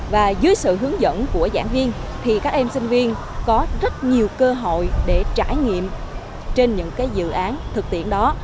và dưới sự hướng dẫn của giảng viên thì các em sinh viên có rất nhiều cơ hội để trải nghiệm trên những dự án thực tiễn đó